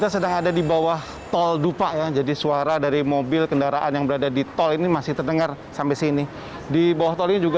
sebagai pengelola tol